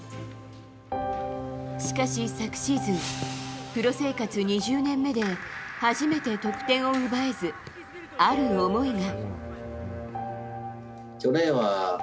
しかし昨シーズンプロ生活２０年目で初めて得点を奪えず、ある思いが。